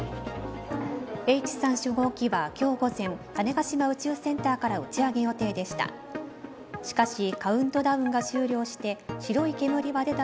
Ｈ３初号機は今日午前種子島宇宙センターから打ち上げ予定でした。